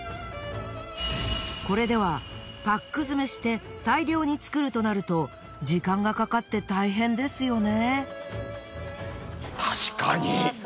これではパック詰めして大量に作るとなると時間がかかって大変ですよね。